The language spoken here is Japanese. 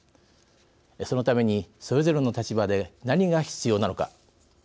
そのために、それぞれの立場で何が必要なのか。